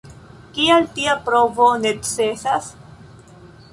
Kial tia provo necesas?